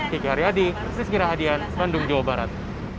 kiki haryadi sis kira hadian bandung jawa barat